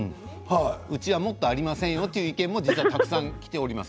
うちはもっとありませんよという意見も実はたくさんきております。